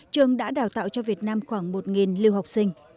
trường đã đào tạo cho việt nam khoảng một lưu học sinh